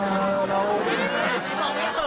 โอ้โหโอ้โหโอ้โห